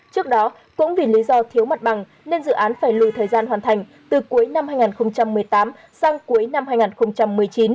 trước đó cũng vì lý do thiếu mặt bằng nên dự án phải lùi thời gian hoàn thành từ cuối năm hai nghìn một mươi tám sang cuối năm hai nghìn một mươi chín